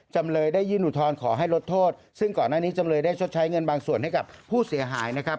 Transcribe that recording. จำเลยได้ยื่นอุทธรณ์ขอให้ลดโทษซึ่งก่อนหน้านี้จำเลยได้ชดใช้เงินบางส่วนให้กับผู้เสียหายนะครับ